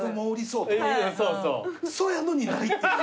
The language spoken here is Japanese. そやのにないっていう。